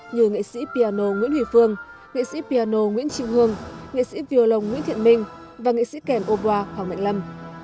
như nghệ sĩ piano nguyễn huy phương nghệ sĩ piano nguyễn trịnh hương nghệ sĩ violon nguyễn thiện minh và nghệ sĩ kèm oboa hoàng mạnh lâm